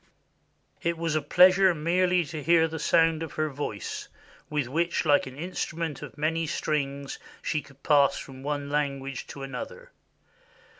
It was a pleasure merely to hear the sound of her voice, with which, like an instrument of many strings, she could pass from one language to another.